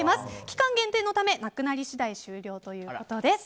期間限定のためなくなり次第終了ということです。